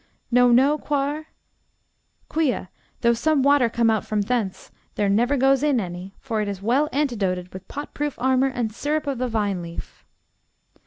No, no, Quare? Quia, though some water come out from thence, there never goes in any; for it is well antidoted with pot proof armour and syrup of the vine leaf.